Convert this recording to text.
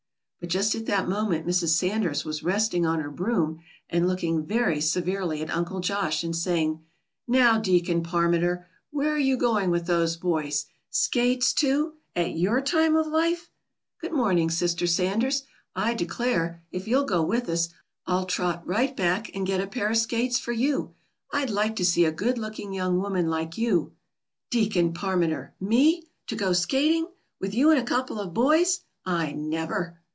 But just at that moment Mrs. Sanders was resting on her broom, and looking very severely at Uncle Josh, and saying, "Now, Deacon Parmenter, where are you going with those boys? Skates, too, at your time of life." "Good morning, Sister Sanders. I declare, if you'll go with us, I'll trot right back and get a pair of skates for you. I'd like to see a good looking young woman like you " "Deacon Parmenter! Me? To go skating? With you and a couple of boys? I never!"